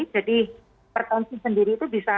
jadi pertensi sendiri itu bisa